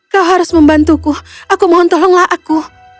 kau harus membantuku aku mohon tolonglah aku